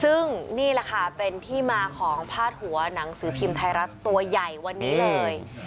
ซึ่งนี่แหละค่ะเป็นที่มาของพาดหัวหนังสือพิมพ์ไทยรัฐตัวใหญ่วันนี้เลย